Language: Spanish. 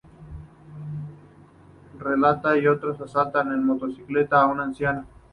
Peralta y otros asaltan en motocicleta a un anciano.